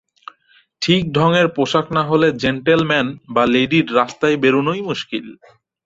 ঠিক ঢঙের পোষাক না হলে জেণ্টলম্যান বা লেডির রাস্তায় বেরুনই মুশকিল।